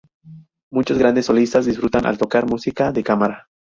Muchos grandes solistas disfrutan al tocar música de cámara.